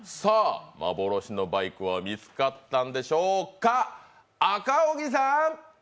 幻のバイクは見つかったんでしょうか、赤荻さん！